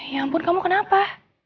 ya ampun kamu kenapa